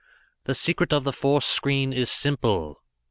"The secret of the force screen is simple."